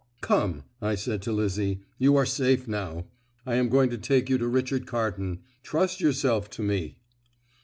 "Come," I said to Lizzie. "You are safe now. I am going to take you to Richard Carton. Trust yourself to me."